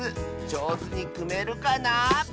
じょうずにくめるかな？